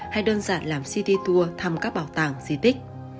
hay đơn giản làm cd tour thăm các bảo tàng di tích